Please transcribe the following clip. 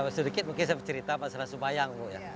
ya sedikit mungkin saya bercerita pasal subayang